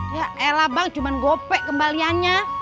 ya elah bang cuma gopek kembaliannya